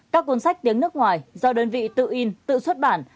các cuốn sách tiếng nước ngoài do đơn vị tự in tự xuất bản